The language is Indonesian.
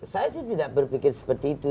saya sih tidak berpikir seperti itu